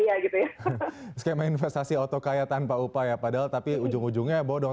tapi kalau kita melihat dari skema investasi otok kaya tanpa upaya padahal tapi ujung ujungnya bodoh